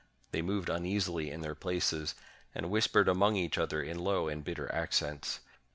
They moved uneasily in their places, and whispered among each other in low and bitter accents.